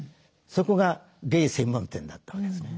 そこがゲイ専門店だったわけですね。